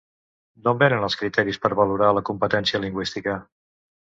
D'on vénen els criteris per valorar la competència lingüística?